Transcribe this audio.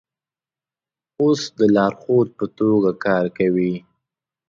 اوس د لارښود په توګه کار کوي.